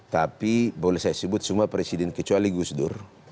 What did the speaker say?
tapi boleh saya sebut semua presiden kecuali gus dur